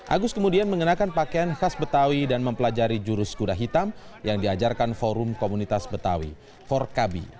agus kemudian mengenakan pakaian khas betawi dan mempelajari jurus kuda hitam yang diajarkan forum komunitas betawi forkabi